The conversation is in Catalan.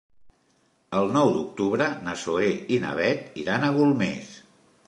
El nou d'octubre na Zoè i na Bet iran a Golmés.